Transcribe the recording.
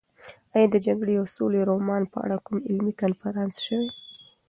ایا د جګړې او سولې رومان په اړه کوم علمي کنفرانس شوی؟